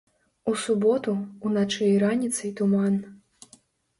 У суботу уначы і раніцай туман.